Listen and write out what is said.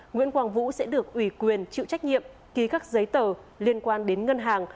nguyễn quang vũ sẽ được ủy quyền chịu trách nhiệm ký các giấy tờ liên quan đến ngân hàng